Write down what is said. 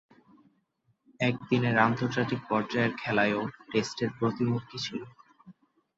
একদিনের আন্তর্জাতিক পর্যায়ের খেলায়ও টেস্টের প্রতিমূর্তি ছিল।